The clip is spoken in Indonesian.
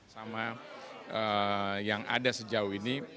sama yang ada sejauh ini